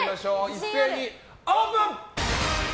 一斉にオープン！